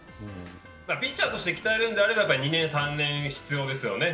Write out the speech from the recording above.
ピッチャーとして鍛えるんであれば２年、３年必要ですよね。